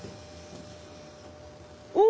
お！